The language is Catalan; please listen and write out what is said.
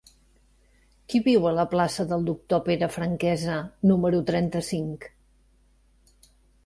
Qui viu a la plaça del Doctor Pere Franquesa número trenta-cinc?